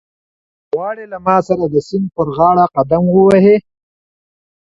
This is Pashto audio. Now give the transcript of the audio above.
آیا ته غواړې چې له ما سره د سیند پر غاړه قدم ووهې؟